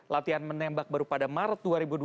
latihan menembak baru pada maret dua ribu dua puluh